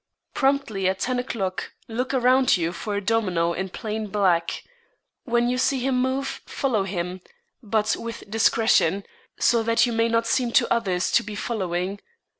Promptly at ten o'clock look around you for a domino in plain black. When you see him move, follow him, but with discretion, so that you may not seem to others to be following.